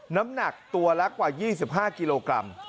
น้ำหนักตัวละกว่า๒๕กิโลกรัม